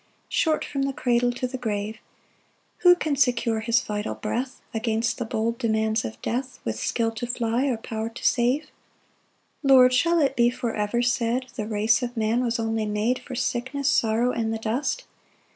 Short from the cradle to the grave: Who can secure his vital breath Against the bold demands of death, With skill to fly, or power to save? 2 Lord, shall it be for ever said, "The race of man was only made "For sickness, sorrow, and the dust?"